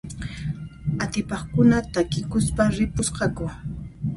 Atipaqkuna takikuspa ripusqaku.